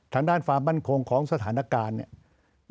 ทางด้านความมั่นคงของสถานการณ์เนี่ย